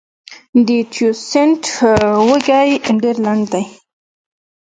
د تیوسینټ وږی ډېر لنډ و.